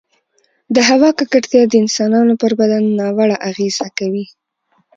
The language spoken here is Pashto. د هـوا ککـړتيـا د انسـانـانو پـر بـدن نـاوړه اغـېزه کـوي